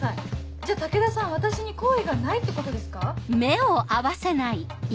じゃあ武田さん私に好意がないってことですか？